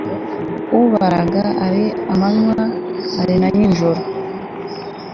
ubaranga, ari amanywa ari na nijoro